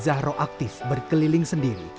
zahro aktif berkeliling sendiri